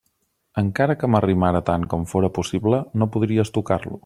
Encara que m'arrimara tant com fóra possible, no podries tocar-lo.